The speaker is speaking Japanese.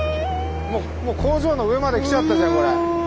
もう工場の上まで来ちゃったじゃんこれ。